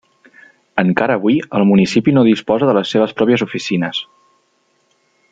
Encara avui el municipi no disposa de les seves pròpies oficines.